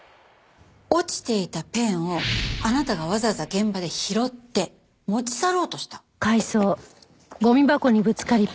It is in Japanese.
落ちていたペンをあなたがわざわざ現場で拾って持ち去ろうとした。